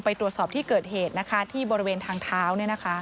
ไปตรวจสอบที่เกิดเหตุนะคะที่บริเวณทางท้าวนี่นะคะ